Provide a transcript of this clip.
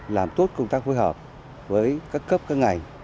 làm tốt công tác phối hợp với các cấp các ngành